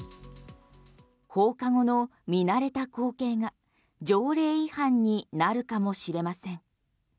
放課後の見慣れた光景が条例違反になるかもしれません。